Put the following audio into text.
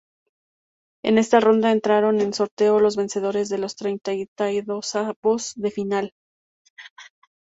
En esta ronda entraron en sorteo los vencedores de los treintaidosavos de final.